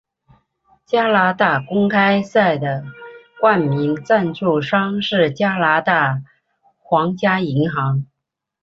加拿大公开赛的冠名赞助商是加拿大皇家银行。